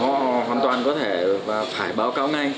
họ hoàn toàn có thể phải báo cáo ngay